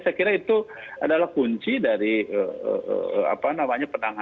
saya kira itu adalah kunci dari penanganan mitigasi bencana kita